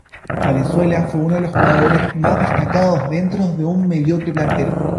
Valenzuela fue uno de los jugadores más destacados dentro de un mediocre plantel.